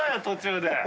途中で。